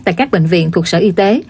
tại các bệnh viện thuộc sở y tế